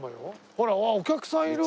ほらあっお客さんいるわ！